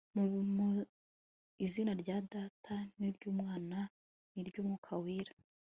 mu mu izina rya Data n iry Umwana n iry umwuka wera